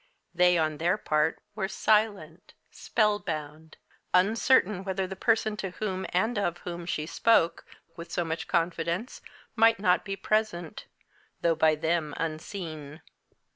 They, on their part, were silent, spellbound, uncertain whether the person to whom and of whom she spoke with so much confidence might not be present, though by them unseen.